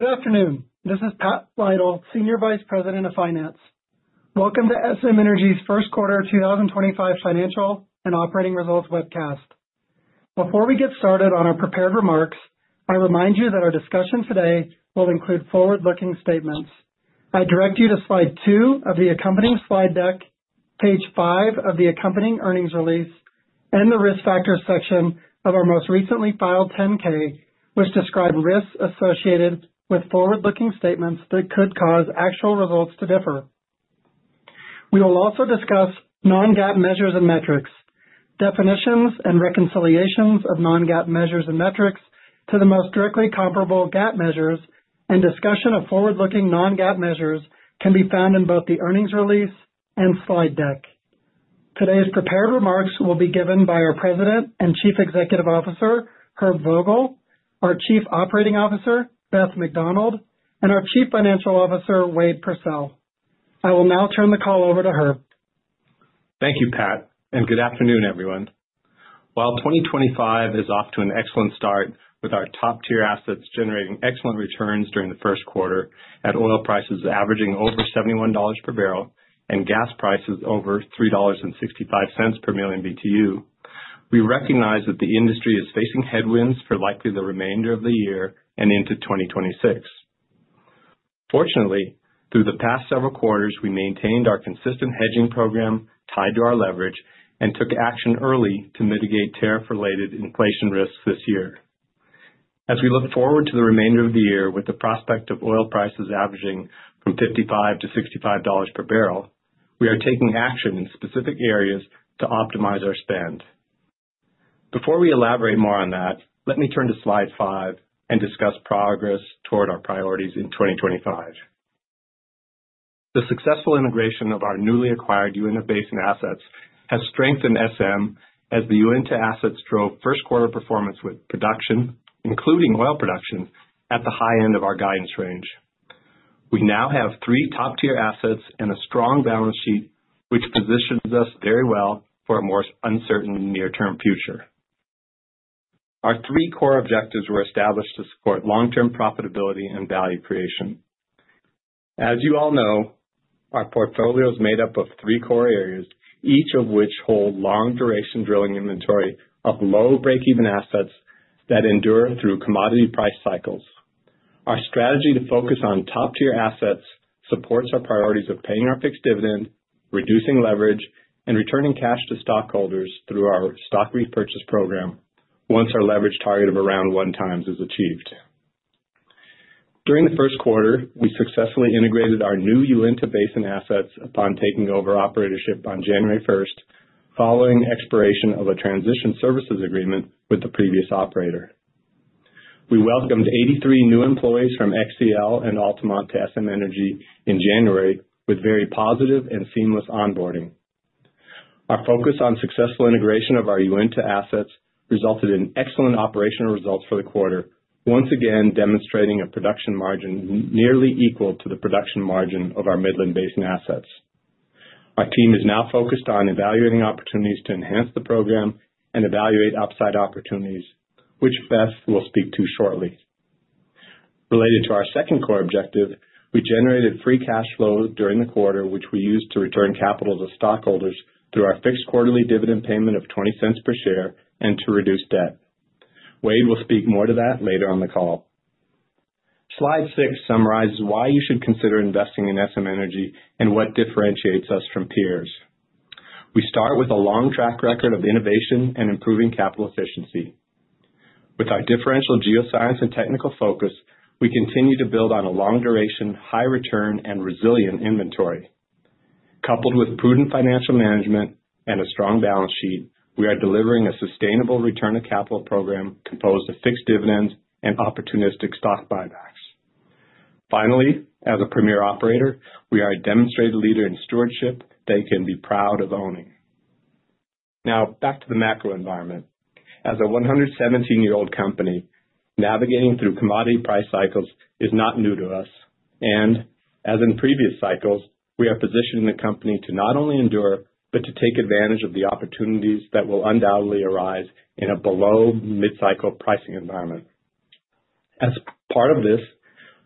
Good afternoon. This is Pat Lytle, Senior Vice President of Finance. Welcome to SM Energy's First Quarter 2025 Financial and Operating Results webcast. Before we get started on our prepared remarks, I remind you that our discussion today will include forward-looking statements. I direct you to Slide 2 of the accompanying slide deck, Page 5 of the accompanying earnings release, and the risk factors section of our most recently filed 10-K, which describe risks associated with forward-looking statements that could cause actual results to differ. We will also discuss non-GAAP measures and metrics, definitions and reconciliations of non-GAAP measures and metrics to the most directly comparable GAAP measures, and discussion of forward-looking non-GAAP measures can be found in both the earnings release and slide deck. Today's prepared remarks will be given by our President and Chief Executive Officer, Herb Vogel, our Chief Operating Officer, Beth McDonald, and our Chief Financial Officer, Wade Pursell. I will now turn the call over to Herb. Thank you, Pat, and good afternoon, everyone. While 2025 is off to an excellent start with our top-tier assets generating excellent returns during the first quarter, at oil prices averaging over $71 per barrel and gas prices over $3.65 per million BTU, we recognize that the industry is facing headwinds for likely the remainder of the year and into 2026. Fortunately, through the past several quarters, we maintained our consistent hedging program tied to our leverage and took action early to mitigate tariff-related inflation risks this year. As we look forward to the remainder of the year with the prospect of oil prices averaging from $55-$65 per barrel, we are taking action in specific areas to optimize our spend. Before we elaborate more on that, let me turn to Slide 5 and discuss progress toward our priorities in 2025. The successful integration of our newly acquired Uinta-based assets has strengthened SM as the Uinta assets drove first-quarter performance with production, including oil production, at the high end of our guidance range. We now have three top-tier assets and a strong balance sheet, which positions us very well for a more uncertain near-term future. Our three core objectives were established to support long-term profitability and value creation. As you all know, our portfolio is made up of three core areas, each of which holds long-duration drilling inventory of low break-even assets that endure through commodity price cycles. Our strategy to focus on top-tier assets supports our priorities of paying our fixed dividend, reducing leverage, and returning cash to stockholders through our stock repurchase program once our leverage target of around one times is achieved. During the first quarter, we successfully integrated our new Uinta-based assets upon taking over operatorship on January 1, following expiration of a transition services agreement with the previous operator. We welcomed 83 new employees from XCL and Altamont to SM Energy in January with very positive and seamless onboarding. Our focus on successful integration of our Uinta assets resulted in excellent operational results for the quarter, once again demonstrating a production margin nearly equal to the production margin of our Midland-based assets. Our team is now focused on evaluating opportunities to enhance the program and evaluate upside opportunities, which Beth will speak to shortly. Related to our second core objective, we generated free cash flow during the quarter, which we used to return capital to stockholders through our fixed quarterly dividend payment of $0.20 per share and to reduce debt. Wade will speak more to that later on the call. Slide 6 summarizes why you should consider investing in SM Energy and what differentiates us from peers. We start with a long track record of innovation and improving capital efficiency. With our differential geoscience and technical focus, we continue to build on a long-duration, high-return, and resilient inventory. Coupled with prudent financial management and a strong balance sheet, we are delivering a sustainable return-to-capital program composed of fixed dividends and opportunistic stock buybacks. Finally, as a premier operator, we are a demonstrated leader in stewardship that you can be proud of owning. Now, back to the macro environment. As a 117-year-old company, navigating through commodity price cycles is not new to us, and as in previous cycles, we are positioning the company to not only endure but to take advantage of the opportunities that will undoubtedly arise in a below-mid-cycle pricing environment. As part of this,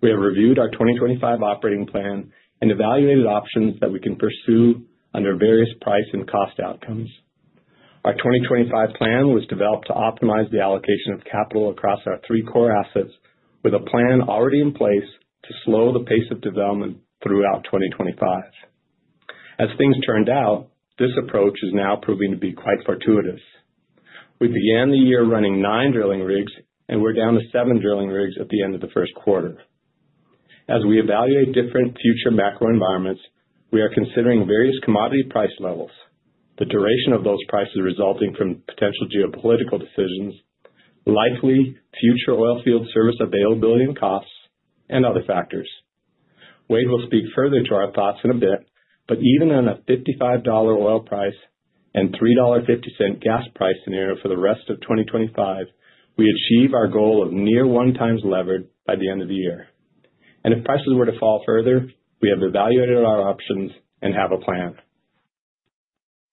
we have reviewed our 2025 operating plan and evaluated options that we can pursue under various price and cost outcomes. Our 2025 plan was developed to optimize the allocation of capital across our three core assets, with a plan already in place to slow the pace of development throughout 2025. As things turned out, this approach is now proving to be quite fortuitous. We began the year running nine drilling rigs, and we're down to seven drilling rigs at the end of the first quarter. As we evaluate different future macro environments, we are considering various commodity price levels, the duration of those prices resulting from potential geopolitical decisions, likely future oil field service availability and costs, and other factors. Wade will speak further to our thoughts in a bit, but even on a $55 oil price and $3.50 gas price scenario for the rest of 2025, we achieve our goal of near one times levered by the end of the year. If prices were to fall further, we have evaluated our options and have a plan.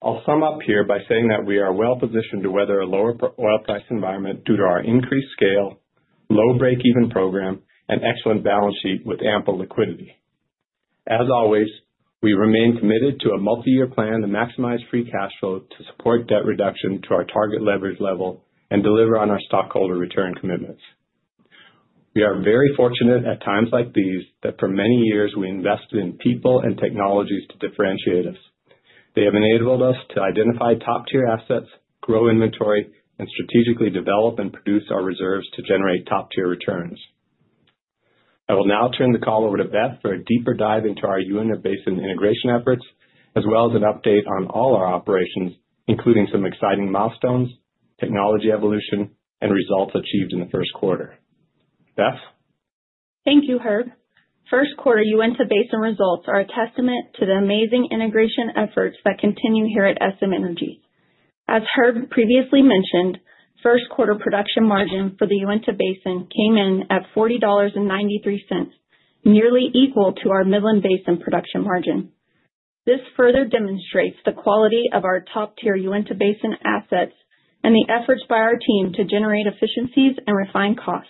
I'll sum up here by saying that we are well positioned to weather a lower oil price environment due to our increased scale, low break-even program, and excellent balance sheet with ample liquidity. As always, we remain committed to a multi-year plan to maximize free cash flow to support debt reduction to our target leverage level and deliver on our stockholder return commitments. We are very fortunate at times like these that for many years we invested in people and technologies to differentiate us. They have enabled us to identify top-tier assets, grow inventory, and strategically develop and produce our reserves to generate top-tier returns. I will now turn the call over to Beth for a deeper dive into our Uinta Basin integration efforts, as well as an update on all our operations, including some exciting milestones, technology evolution, and results achieved in the first quarter. Beth? Thank you, Herb. First quarter Uinta Basin results are a testament to the amazing integration efforts that continue here at SM Energy. As Herb previously mentioned, first quarter production margin for the Uinta Basin came in at $40.93, nearly equal to our Midland Basin production margin. This further demonstrates the quality of our top-tier Uinta Basin assets and the efforts by our team to generate efficiencies and refine costs.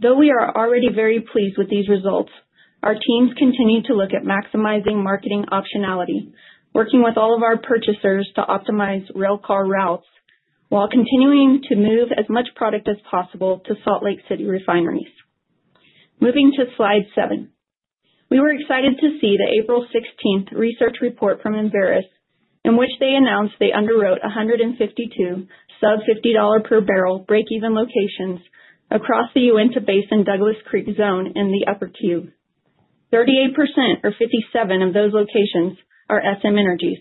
Though we are already very pleased with these results, our teams continue to look at maximizing marketing optionality, working with all of our purchasers to optimize rail car routes while continuing to move as much product as possible to Salt Lake City refineries. Moving to Slide 7, we were excited to see the April 16 research report from Enverus, in which they announced they underwrote 152 sub-$50 per barrel break-even locations across the Uinta Basin Douglas Creek zone in the Upper Cube. 38% or 57% of those locations are SM Energy's.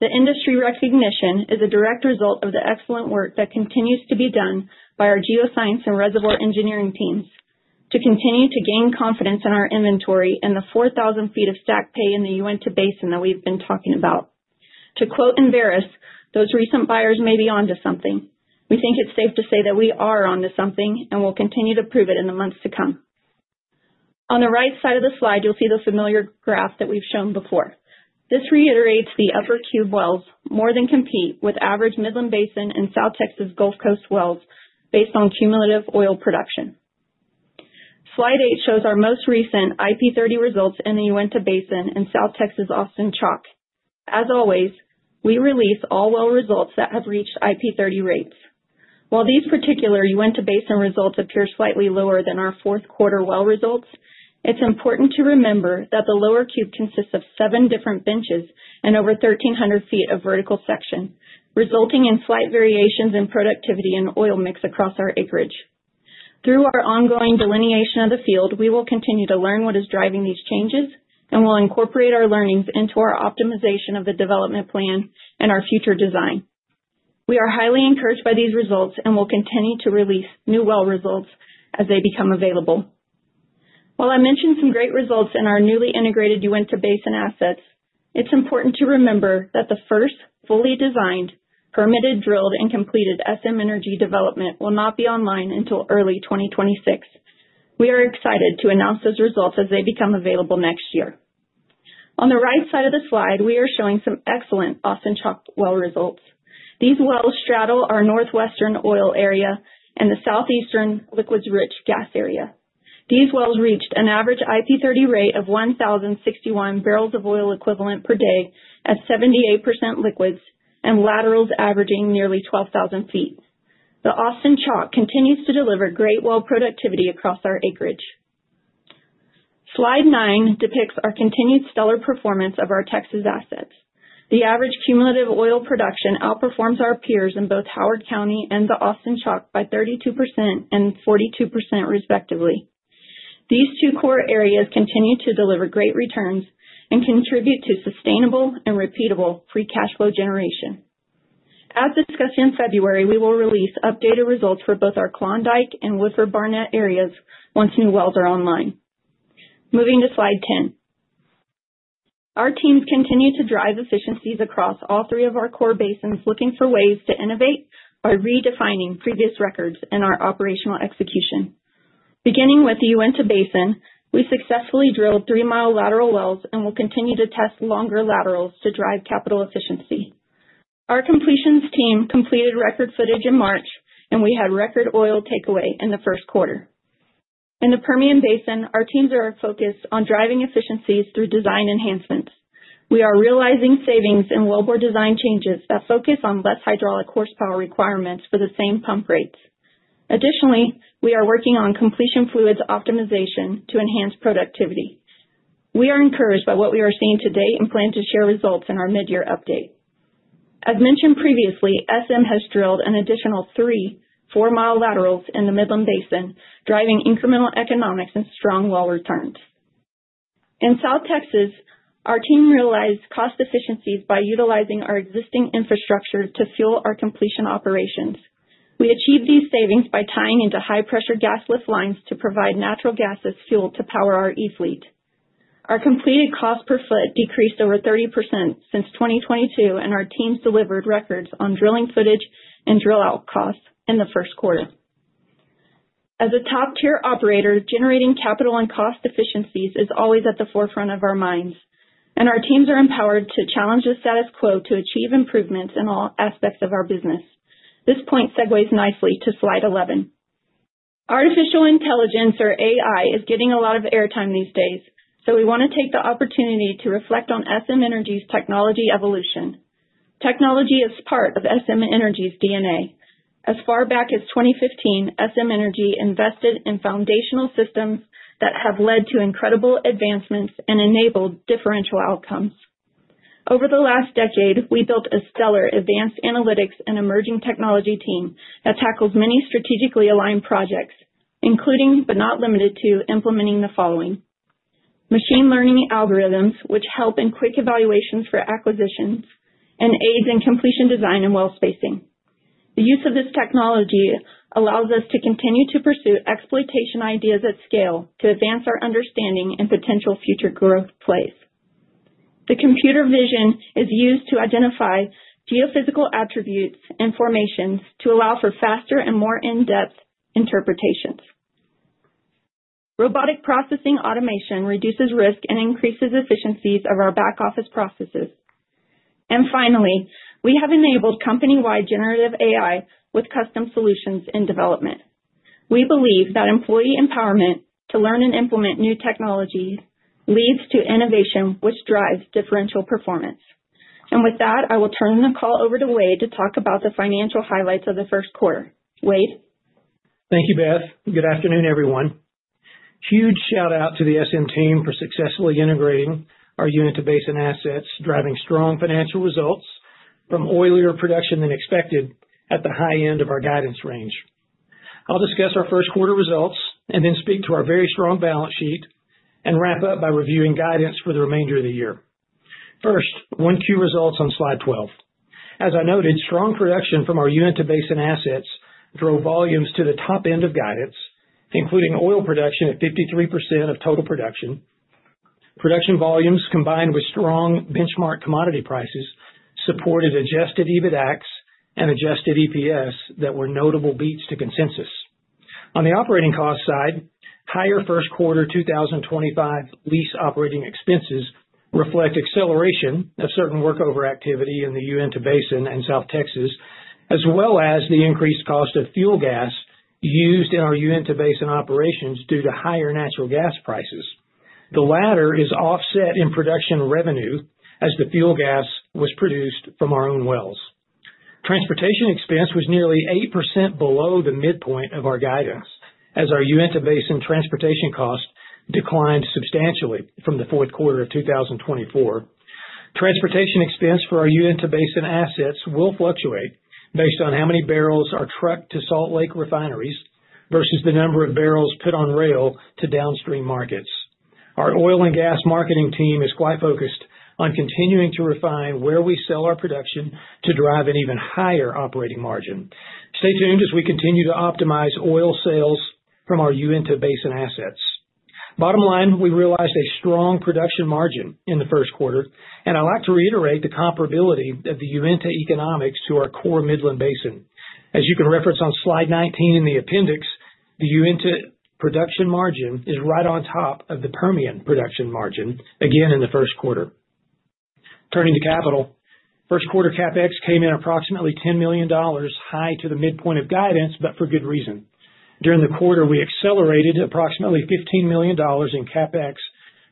The industry recognition is a direct result of the excellent work that continues to be done by our geoscience and reservoir engineering teams to continue to gain confidence in our inventory and the 4,000 feet of stack pay in the Uinta Basin that we've been talking about. To quote Enverus, those recent buyers may be onto something. We think it's safe to say that we are onto something and will continue to prove it in the months to come. On the right side of the slide, you'll see the familiar graph that we've shown before. This reiterates the Upper Cube wells more than compete with average Midland Basin and South Texas Gulf Coast wells based on cumulative oil production. Slide 8 shows our most recent IP30 results in the Uinta Basin and South Texas Austin Chalk. As always, we release all well results that have reached IP30 rates. While these particular Uinta Basin results appear slightly lower than our fourth quarter well results, it's important to remember that the lower cube consists of seven different benches and over 1,300 feet of vertical section, resulting in slight variations in productivity and oil mix across our acreage. Through our ongoing delineation of the field, we will continue to learn what is driving these changes and will incorporate our learnings into our optimization of the development plan and our future design. We are highly encouraged by these results and will continue to release new well results as they become available. While I mentioned some great results in our newly integrated Uinta Basin assets, it's important to remember that the first fully designed, permitted, drilled, and completed SM Energy development will not be online until early 2026. We are excited to announce those results as they become available next year. On the right side of the slide, we are showing some excellent Austin Chalk well results. These wells straddle our northwestern oil area and the southeastern liquids-rich gas area. These wells reached an average IP30 rate of 1,061 barrels of oil equivalent per day at 78% liquids and laterals averaging nearly 12,000 feet. The Austin Chalk continues to deliver great well productivity across our acreage. Slide 9 depicts our continued stellar performance of our Texas assets. The average cumulative oil production outperforms our peers in both Howard County and the Austin Chalk by 32% and 42%, respectively. These two core areas continue to deliver great returns and contribute to sustainable and repeatable free cash flow generation. As discussed in February, we will release updated results for both our Klondike and Woodford Barnett areas once new wells are online. Moving to Slide 10, our teams continue to drive efficiencies across all three of our core basins, looking for ways to innovate by redefining previous records in our operational execution. Beginning with the Uinta Basin, we successfully drilled three-mile lateral wells and will continue to test longer laterals to drive capital efficiency. Our completions team completed record footage in March, and we had record oil takeaway in the first quarter. In the Permian Basin, our teams are focused on driving efficiencies through design enhancements. We are realizing savings in wellbore design changes that focus on less hydraulic horsepower requirements for the same pump rates. Additionally, we are working on completion fluids optimization to enhance productivity. We are encouraged by what we are seeing today and plan to share results in our mid-year update. As mentioned previously, SM has drilled an additional three four-mile laterals in the Midland Basin, driving incremental economics and strong well returns. In South Texas, our team realized cost efficiencies by utilizing our existing infrastructure to fuel our completion operations. We achieved these savings by tying into high-pressure gas lift lines to provide natural gas as fuel to power our E fleet. Our completed cost per foot decreased over 30% since 2022, and our teams delivered records on drilling footage and drill-out costs in the first quarter. As a top-tier operator, generating capital and cost efficiencies is always at the forefront of our minds, and our teams are empowered to challenge the status quo to achieve improvements in all aspects of our business. This point segues nicely to Slide 11. Artificial intelligence, or AI, is getting a lot of airtime these days, so we want to take the opportunity to reflect on SM Energy's technology evolution. Technology is part of SM Energy's DNA. As far back as 2015, SM Energy invested in foundational systems that have led to incredible advancements and enabled differential outcomes. Over the last decade, we built a stellar advanced analytics and emerging technology team that tackles many strategically aligned projects, including but not limited to implementing the following: machine learning algorithms, which help in quick evaluations for acquisitions and aids in completion design and well spacing. The use of this technology allows us to continue to pursue exploitation ideas at scale to advance our understanding and potential future growth plays. The computer vision is used to identify geophysical attributes and formations to allow for faster and more in-depth interpretations. Robotic processing automation reduces risk and increases efficiencies of our back-office processes. Finally, we have enabled company-wide generative AI with custom solutions in development. We believe that employee empowerment to learn and implement new technologies leads to innovation, which drives differential performance. With that, I will turn the call over to Wade to talk about the financial highlights of the first quarter. Wade. Thank you, Beth. Good afternoon, everyone. Huge shout-out to the SM team for successfully integrating our Uinta Basin assets, driving strong financial results from oilier production than expected at the high end of our guidance range. I'll discuss our first quarter results and then speak to our very strong balance sheet and wrap up by reviewing guidance for the remainder of the year. First, 1Q results on Slide 12. As I noted, strong production from our Uinta Basin assets drove volumes to the top end of guidance, including oil production at 53% of total production. Production volumes, combined with strong benchmark commodity prices, supported adjusted EBITDA and adjusted EPS that were notable beats to consensus. On the operating cost side, higher first quarter 2025 lease operating expenses reflect acceleration of certain workover activity in the Uinta Basin and South Texas, as well as the increased cost of fuel gas used in our Uinta Basin operations due to higher natural gas prices. The latter is offset in production revenue as the fuel gas was produced from our own wells. Transportation expense was nearly 8% below the midpoint of our guidance as our Uinta Basin transportation cost declined substantially from the fourth quarter of 2024. Transportation expense for our Uinta Basin assets will fluctuate based on how many barrels are trucked to Salt Lake City refineries versus the number of barrels put on rail to downstream markets. Our oil and gas marketing team is quite focused on continuing to refine where we sell our production to drive an even higher operating margin. Stay tuned as we continue to optimize oil sales from our Uinta Basin assets. Bottom line, we realized a strong production margin in the first quarter, and I'd like to reiterate the comparability of the Uinta economics to our core Midland Basin. As you can reference on Slide 19 in the appendix, the Uinta Basin production margin is right on top of the Permian Basin production margin again in the first quarter. Turning to capital, first quarter CapEx came in approximately $10 million high to the midpoint of guidance, but for good reason. During the quarter, we accelerated approximately $15 million in CapEx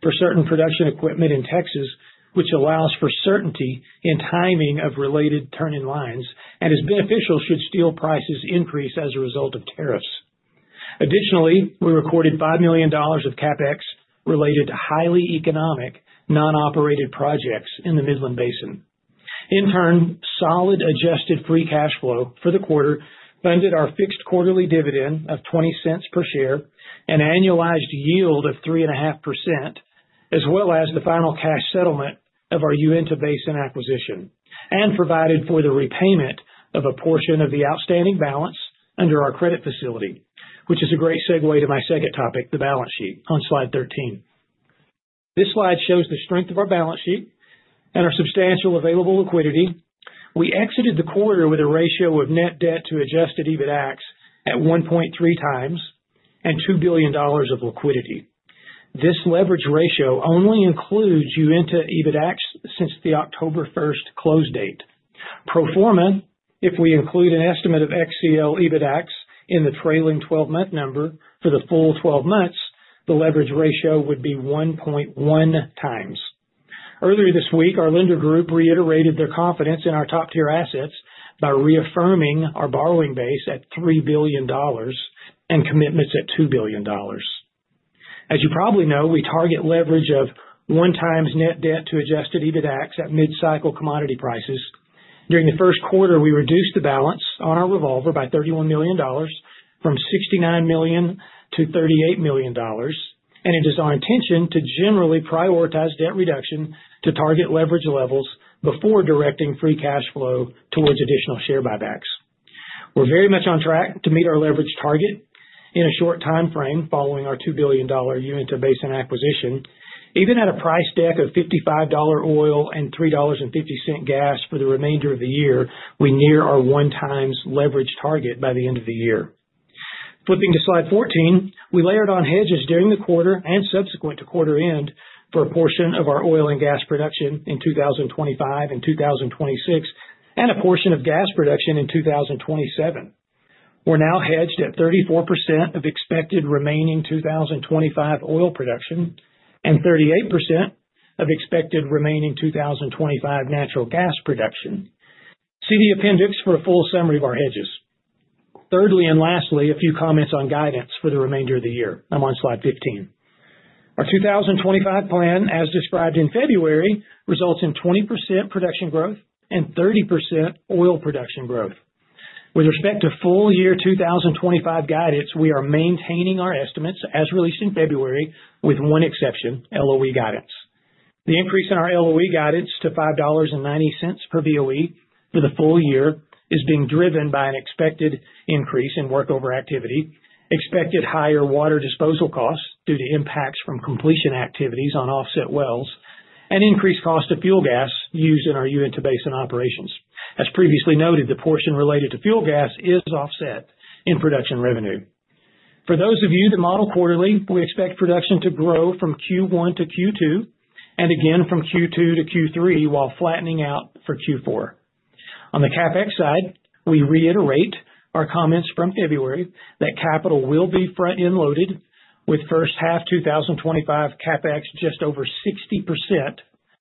for certain production equipment in Texas, which allows for certainty in timing of related turning lines and is beneficial should steel prices increase as a result of tariffs. Additionally, we recorded $5 million of CapEx related to highly economic non-operated projects in the Midland Basin. In turn, solid adjusted free cash flow for the quarter funded our fixed quarterly dividend of $0.20 per share, an annualized yield of 3.5%, as well as the final cash settlement of our Uinta-based acquisition and provided for the repayment of a portion of the outstanding balance under our credit facility, which is a great segue to my second topic, the balance sheet on Slide 13. This slide shows the strength of our balance sheet and our substantial available liquidity. We exited the quarter with a ratio of net debt to adjusted EBITDA at 1.3 times and $2 billion of liquidity. This leverage ratio only includes Uinta EBITDA since the October 1 close date. Pro forma, if we include an estimate of XCL EBITDA in the trailing 12-month number for the full 12 months, the leverage ratio would be 1.1 times. Earlier this week, our lender group reiterated their confidence in our top-tier assets by reaffirming our borrowing base at $3 billion and commitments at $2 billion. As you probably know, we target leverage of one times net debt to adjusted EBITDA at mid-cycle commodity prices. During the first quarter, we reduced the balance on our revolver by $31 million from $69 million to $38 million, and it is our intention to generally prioritize debt reduction to target leverage levels before directing free cash flow towards additional share buybacks. We're very much on track to meet our leverage target in a short time frame following our $2 billion Uinta Basin acquisition. Even at a price deck of $55 oil and $3.50 gas for the remainder of the year, we near our one times leverage target by the end of the year. Flipping to Slide 14, we layered on hedges during the quarter and subsequent to quarter end for a portion of our oil and gas production in 2025 and 2026 and a portion of gas production in 2027. We're now hedged at 34% of expected remaining 2025 oil production and 38% of expected remaining 2025 natural gas production. See the appendix for a full summary of our hedges. Thirdly and lastly, a few comments on guidance for the remainder of the year. I'm on Slide 15. Our 2025 plan, as described in February, results in 20% production growth and 30% oil production growth. With respect to full year 2025 guidance, we are maintaining our estimates as released in February with one exception, LOE guidance. The increase in our LOE guidance to $5.90 per BOE for the full year is being driven by an expected increase in workover activity, expected higher water disposal costs due to impacts from completion activities on offset wells, and increased cost of fuel gas used in our Uinta Basin operations. As previously noted, the portion related to fuel gas is offset in production revenue. For those of you that model quarterly, we expect production to grow from Q1 to Q2 and again from Q2 to Q3 while flattening out for Q4. On the CapEx side, we reiterate our comments from February that capital will be front-end loaded with first half 2025 CapEx just over 60%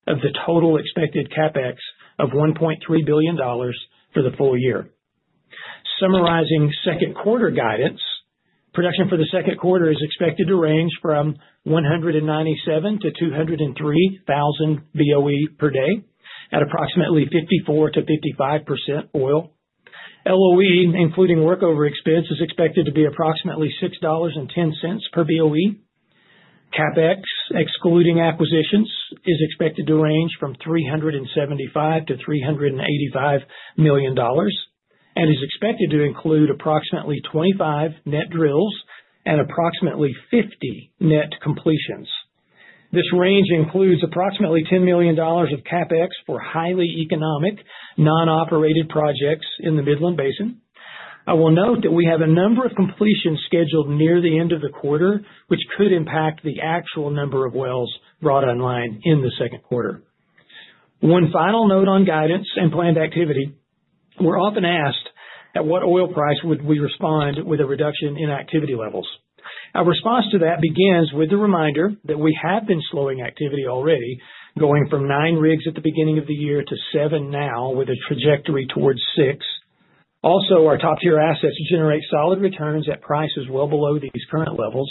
of the total expected CapEx of $1.3 billion for the full year. Summarizing second quarter guidance, production for the second quarter is expected to range from 197,000-203,000 BOE per day at approximately 54%-55% oil. LOE, including workover expense, is expected to be approximately $6.10 per BOE. CapEx, excluding acquisitions, is expected to range from $375 million-$385 million and is expected to include approximately 25 net drills and approximately 50 net completions. This range includes approximately $10 million of CapEx for highly economic non-operated projects in the Midland Basin. I will note that we have a number of completions scheduled near the end of the quarter, which could impact the actual number of wells brought online in the second quarter. One final note on guidance and planned activity. We're often asked at what oil price would we respond with a reduction in activity levels. Our response to that begins with the reminder that we have been slowing activity already, going from nine rigs at the beginning of the year to seven now with a trajectory towards six. Also, our top-tier assets generate solid returns at prices well below these current levels,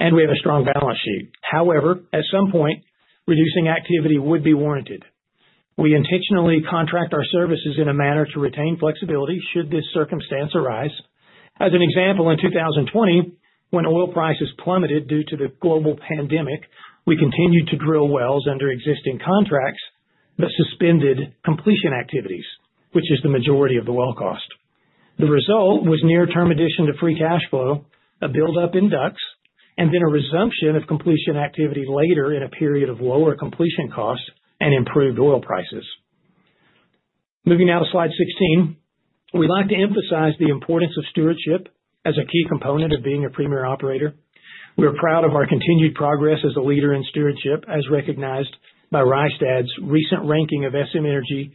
and we have a strong balance sheet. However, at some point, reducing activity would be warranted. We intentionally contract our services in a manner to retain flexibility should this circumstance arise. As an example, in 2020, when oil prices plummeted due to the global pandemic, we continued to drill wells under existing contracts but suspended completion activities, which is the majority of the well cost. The result was near-term addition to free cash flow, a build-up in DUCs, and then a resumption of completion activity later in a period of lower completion cost and improved oil prices. Moving now to Slide 16, we'd like to emphasize the importance of stewardship as a key component of being a premier operator. We are proud of our continued progress as a leader in stewardship, as recognized by Rystad's recent ranking of SM Energy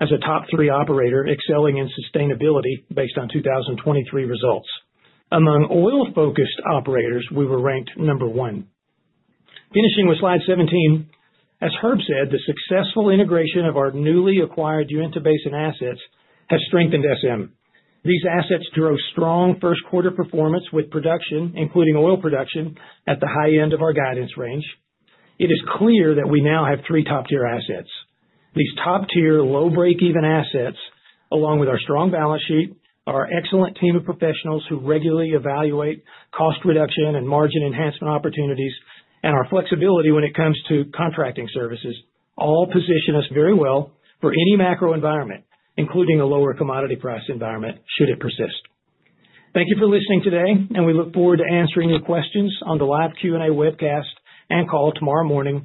as a top three operator excelling in sustainability based on 2023 results. Among oil-focused operators, we were ranked number one. Finishing with Slide 17, as Herb said, the successful integration of our newly acquired Uinta Basin assets has strengthened SM. These assets drove strong first quarter performance with production, including oil production, at the high end of our guidance range. It is clear that we now have three top-tier assets. These top-tier low-break-even assets, along with our strong balance sheet, our excellent team of professionals who regularly evaluate cost reduction and margin enhancement opportunities, and our flexibility when it comes to contracting services, all position us very well for any macro environment, including a lower commodity price environment should it persist. Thank you for listening today, and we look forward to answering your questions on the live Q&A webcast and call tomorrow morning.